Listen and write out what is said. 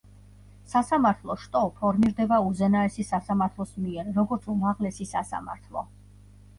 სასამართლო შტო ფორმირდება უზენაესი სასამართლოს მიერ, როგორც უმაღლესი სასამართლო.